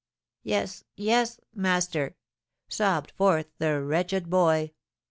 'Yes yes master,' sobbed forth the wretched boy.